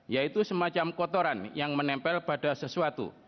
yaitu semacam kotoran yang menempel pada sesuatu